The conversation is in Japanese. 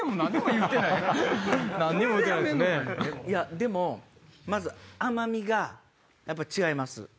いやでもまず甘みがやっぱ違います。